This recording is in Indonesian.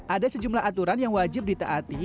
ada sejumlah aturan yang wajib ditaati